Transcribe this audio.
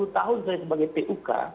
tiga puluh tahun saya sebagai puk